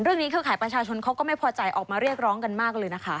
เครือข่ายประชาชนเขาก็ไม่พอใจออกมาเรียกร้องกันมากเลยนะคะ